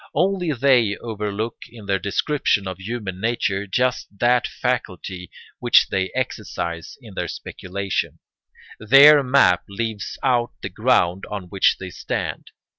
Only they overlook in their description of human nature just that faculty which they exercise in their speculation; their map leaves out the ground on which they stand.